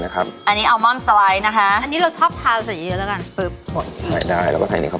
เนี้ยคับ๒อันนี้นี่นับเป็นทะพีก่อนตามใส่ออกมาเจอครับ